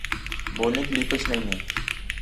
بولنے کے لیے کچھ نہیں ہے